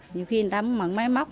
nhiều khi người ta muốn mận máy móc